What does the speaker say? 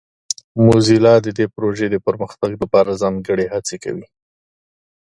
موزیلا د دې پروژې د پرمختګ لپاره ځانګړې هڅې کوي.